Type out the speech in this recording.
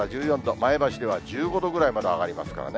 前橋では１５度ぐらいまで上がりますからね。